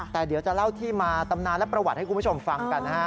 แต่เดี๋ยวจะเล่าที่มาตำนานและประวัติให้คุณผู้ชมฟังกันนะฮะ